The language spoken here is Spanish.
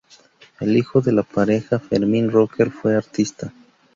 El hijo de la pareja, Fermin Rocker, fue artista.